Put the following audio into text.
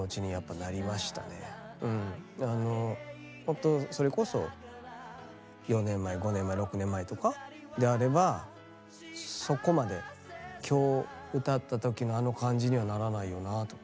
いやあのほんとそれこそ４年前５年前６年前とかであればそこまで今日歌った時のあの感じにはならないよなあとか。